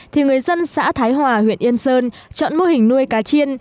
thì người dân xã thái hòa huyện yên sơn chọn mô hình nuôi cá chiên